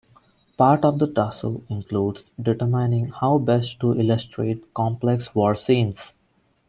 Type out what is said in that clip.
Part of the tussle includes determining how best to illustrate complex war scenes.